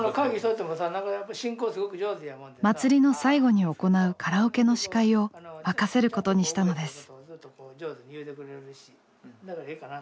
祭りの最後に行うカラオケの司会を任せることにしたのです。